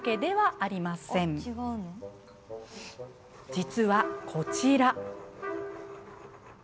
実はこちら。